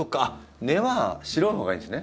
根は白いほうがいいんですね？